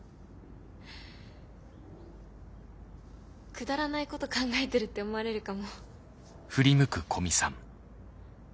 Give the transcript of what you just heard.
くだらないこと考えてるって思われるかも。